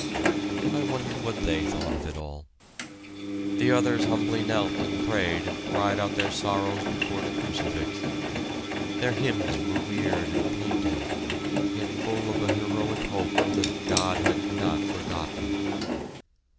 I wondered what they thought of it all! The others humbly knelt and prayed and cried out their sorrows before the crucifix. Their hymns were weird and plaintive, yet full of a heroic hope that God had not forgotten.